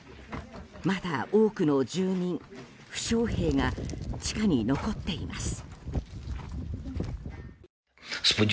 まだ多くの住民、負傷兵が地下に残っています。